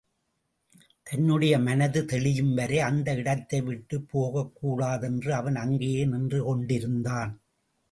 தன்னுடைய மனது தெளியும்வரை அந்த இடத்தை விட்டுப் போகக் கூடாதென்று அவன் அங்கேயே நின்று கொண்டிருந்தான்.